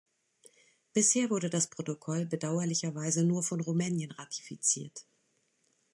Bisher wurde das Protokoll bedauerlicherweise nur von Rumänien ratifiziert.